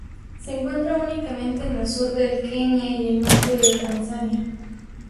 Se encuentra únicamente en el sur del Kenia y el norte de Tanzania.